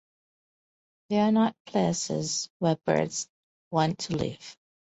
They are not places where birds want to live.